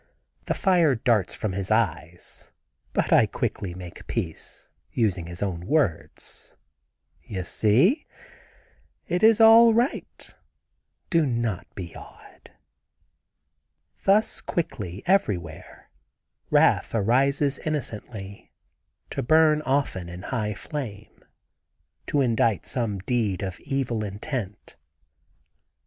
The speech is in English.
The fire darts from his eye, but I quickly make peace, using his own words: "You see, it is all right; do not be odd." Thus quickly, everywhere, wrath arises innocently, to burn often in high flame—to indite some deed of evil intent.